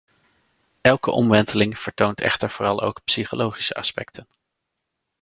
Elke omwenteling vertoont echter vooral ook psychologische aspecten.